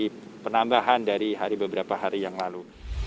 jadi penambahan dari beberapa hari yang lalu